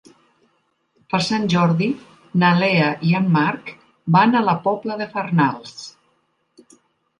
Per Sant Jordi na Lea i en Marc van a la Pobla de Farnals.